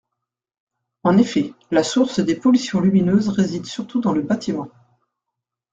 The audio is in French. En effet, la source des pollutions lumineuses réside surtout dans le bâtiment.